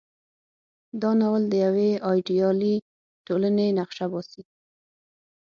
دا ناول د یوې ایډیالې ټولنې نقشه باسي.